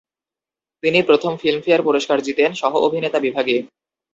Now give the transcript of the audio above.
তিনি প্রথম ফিল্মফেয়ার পুরস্কার জিতেন, সহ-অভিনেতা বিভাগে।